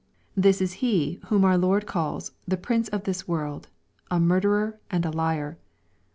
This is he whom our Lord calls " the prince of this world," a "murderer," and a "liar."